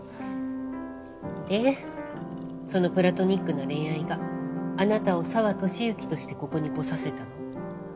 でそのプラトニックな恋愛があなたを澤俊之としてここに来させたの？